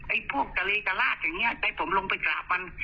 ไอ้พวกกะลีกะลาดอย่างเนี่ยได้ผมลงไปกราบมัน